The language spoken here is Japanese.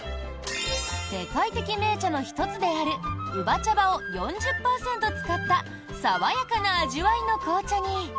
世界的銘茶の１つであるウバ茶葉を４０％使った爽やかな味わいの紅茶に。